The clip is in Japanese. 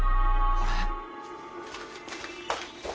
あれ！？